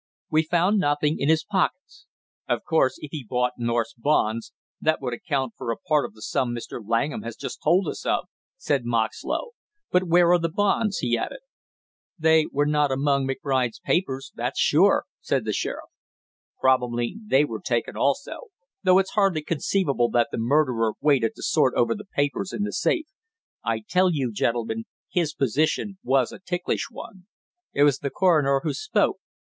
"We found nothing in his pockets." "Of course, if he bought North's bonds, that would account for a part of the sum Mr. Langham has just told us of," said Moxlow. "But where are the bonds?" he added. "They were not among McBride's papers, that's sure," said the sheriff. "Probably they were taken also, though it's hardly conceivable that the murderer waited to sort over the papers in the safe. I tell you, gentlemen, his position was a ticklish one." It was the coroner who spoke.